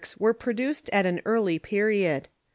s were produced at an early period.